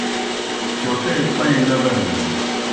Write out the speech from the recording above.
چوٹے پائیں نہ بینَن